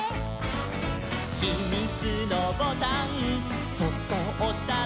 「ひみつのボタンそっとおしたら」「」